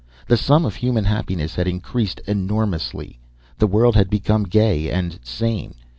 The sum of human happiness had increased enormously. The world had become gay and sane.